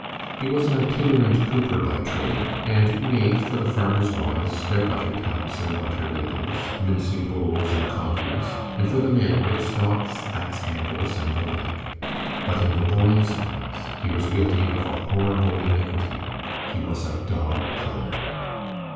He was an itinerant cooper by trade, and made for the farmers' wives their butter tubs and butter ladles, mincing bowls and coggies, and for the men, whip stalks, axe handles, and the like. But in the boys' eyes he was guilty of a horrible iniquity. He was a dog killer.